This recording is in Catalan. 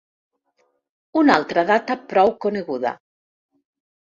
Una altra data prou coneguda.